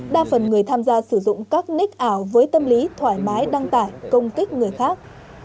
đa phần người tham gia sử dụng các nick ảo với tâm lý thoải mái đăng tải công kích người khác